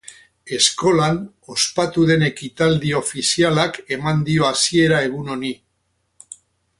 Eskolan ospatu den ekitaldi ofizialak eman dio hasiera egun honi.